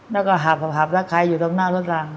แล้วก็หับแล้วใครอยู่ตรงหน้ารถรัง